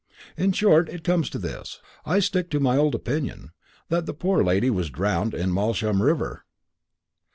In short, it comes to this I stick to my old opinion, that the poor lady was drowned in Malsham river."